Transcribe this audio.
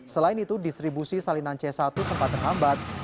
selain itu distribusi salinan c satu sempat terhambat terutama di daerah terpencil